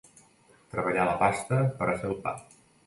Treballar la pasta per a fer el pa.